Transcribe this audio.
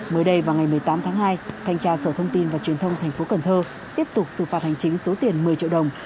mới đây vào ngày một mươi tám tháng hai thanh tra sở thông tin và truyền thông tp cn tiếp tục xử phạt hành chính số tiền một mươi triệu đồng